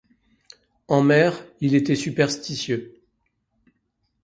En mer, il était superstitieux.